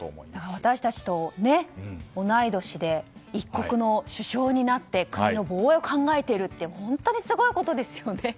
私たちと同い年で一国の首相になって国の防衛を考えているって本当にすごいことですね。